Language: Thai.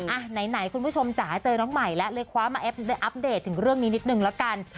อ่ะไหนคุณผู้ชมจ๋าเจอน้องใหม่แล้วเลยคว้ามาอัปเดตถึงเรื่องนี้นิดนึงละกัน